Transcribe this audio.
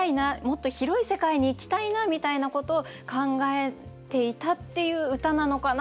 もっと広い世界に行きたいなみたいなことを考えていたっていう歌なのかなというふうに感じました。